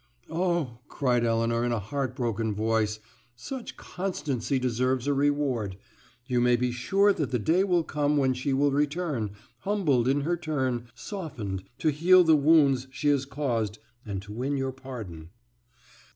"Oh," cried Elinor in a heartbroken voice, "such constancy deserves reward. You may be sure that the day will come when she will return, humbled in her turn, softened, to heal the wounds she has caused and to win your pardon."